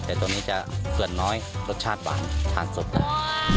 แต่ตัวนี้จะส่วนน้อยรสชาติหวานทานสดได้